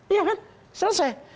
iya kan selesai